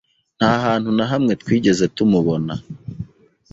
Nta hantu na hamwe twigeze tumubona.